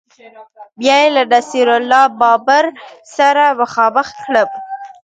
بیا یې له نصیر الله بابر سره مخامخ کړم